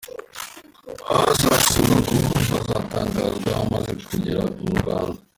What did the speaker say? Aho azasura ngo hazatangazwa amaze kugera mu Rwanda.